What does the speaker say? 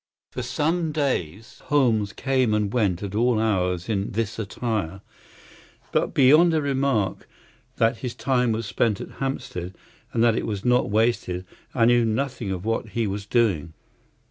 For some days Holmes came and went at all hours in this attire, but beyond a remark that his time was spent at Hampstead, and that it was not wasted, I knew nothing of what he was doing.